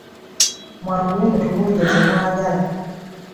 Mwanguwe mutubuulire kye mwagala.